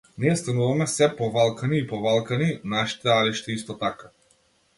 Ние стануваме сѐ повалкани и повалкани, нашите алишта исто така.